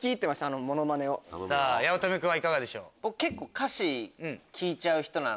さぁ八乙女君いかがでしょう？